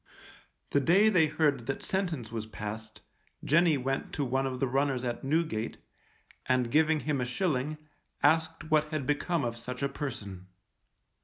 The day they heard that sentence was passed, Jenny went to one of the runners at Newgate, and giving him a shilling, asked what had become of such a person.